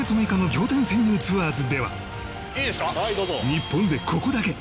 日本でここだけ！